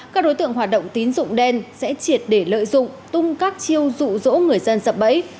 các đối tượng hoạt động tín dụng đen sẽ triệt để lợi dụng tung các chiêu dụ dỗ người dân sập bẫy